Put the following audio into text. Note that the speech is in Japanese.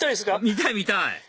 見たい見たい！